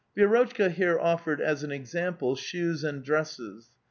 Vi6rotchka here offered, as an example, shoes and dresses.